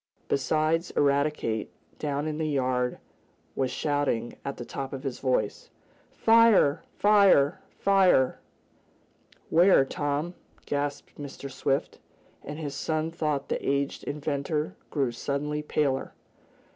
Besides Eradicate, down in the yard was shouting at the top of his voice: "Fire! Fire! Fire!" "Where, Tom?" gasped Mr. Swift, and his son thought the aged inventor grew suddenly paler.